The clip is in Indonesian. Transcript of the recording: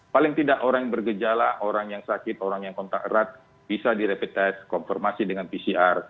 paling tidak orang yang bergejala orang yang sakit orang yang kontak erat bisa di rapid test konfirmasi dengan pcr